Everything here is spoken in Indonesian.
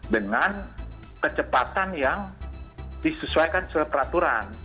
dengan kecepatan yang disesuaikan sesuai peraturan